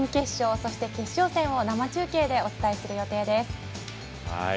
そして、決勝戦を生中継でお伝えする予定です。